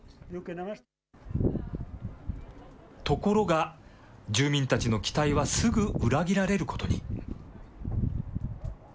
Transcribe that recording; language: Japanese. ところが、住民たちの期待はすぐ裏切られることに。